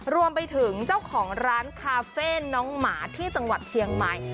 รวมไปถึงเจ้าของร้านคาเฟ่น้องหมาที่จังหวัดเชียงใหม่